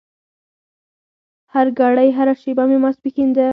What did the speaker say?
هرګړۍ هره شېبه مې ماسپښين ده